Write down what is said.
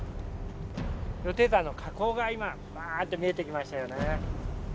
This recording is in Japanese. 羊蹄山の火口が今バアって見えてきましたよね。